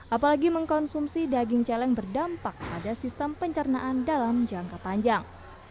apalagi mengkonsumsi daging celeng berdampak pada sistem pencernaan dalam jangka panjang